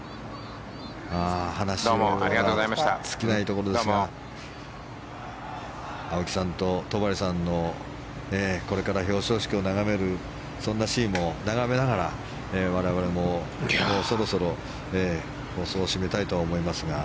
話が尽きないところですが青木さんと戸張さんのこれから表彰式を眺めるそんなシーンも眺めながら我々も、もうそろそろ放送を締めたいと思いますが。